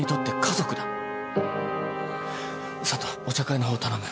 佐都お茶会の方を頼む。